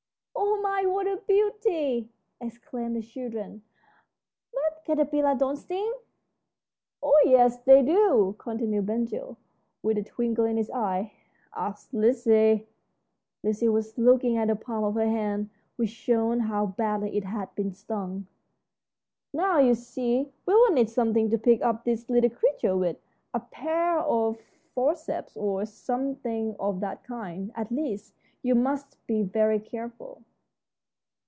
"Oh my, what a beauty!" exclaimed the children. "But caterpillars don't sting." "Oh yes, they do," continued Ben Gile, with a twinkle in his eye; "ask Lizzie." Lizzie was looking at the palm of her hand, which showed how badly it had been stung. "Now, you see, we'll need something to pick up these little creatures with a pair of forceps or something of that kind. At least, you must be very careful."